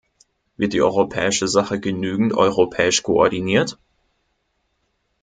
Wird die europäische Sache genügend europäisch koordiniert?